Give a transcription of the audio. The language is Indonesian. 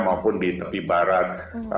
maupun di tepi barat